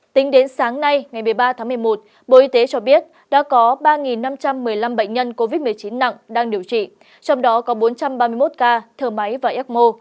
tính đến sáng nay ngày một mươi ba tháng một mươi một bộ y tế cho biết đã có ba năm trăm một mươi năm bệnh nhân covid một mươi chín nặng đang điều trị trong đó có bốn trăm ba mươi một ca thờ máy và ecmo